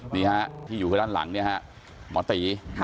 นี่ฮะที่อยู่คือด้านหลังเนี่ยฮะหมอตี